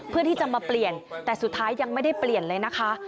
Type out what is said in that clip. เพื่อที่จะมาเปลี่ยนแต่สุดท้ายยังไม่ได้เปลี่ยนเลยนะคะ